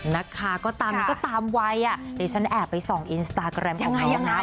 นะคะก็ตามวัยดิฉันแอบไปส่องอินสตาร์แกรมของเขานะ